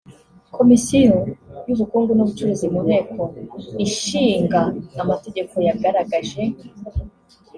Komisiyo y’Ubukungu n’Ubucuruzi mu Nteko Ishinga Amategeko yagaragaje